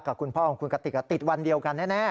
คุณพ่อของคุณกติกติดวันเดียวกันแน่